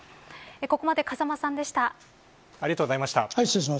ここまで風間さんでした。